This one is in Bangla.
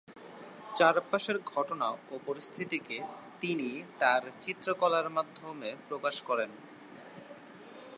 চারপাশের ঘটনা ও পরিস্থিতিকে তিনি তার চিত্রকলার মাধ্যমে প্রকাশ করেন।